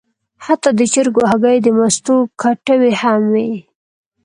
حتی د چرګو هګۍ او د مستو کټوۍ هم وې.